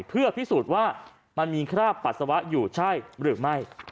เพื่อพิสูจน์ว่ามันมีคราบปัสสาวะอยู่ใช่หรือไม่